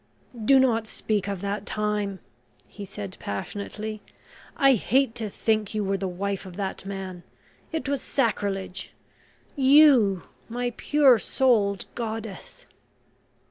"Do not speak of that time," he said passionately. "I hate to think you were the wife of that man it was sacrilege... you my pure souled goddess."